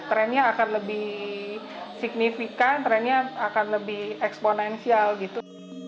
trendnya akan lebih signifikan trennya akan lebih eksponensial gitu